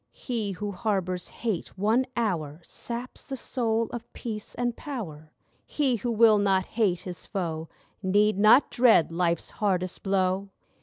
He who harbours Hate one hour Saps the soul of Peace and Power. He who will not hate his foe Need not dread life's hardest blow.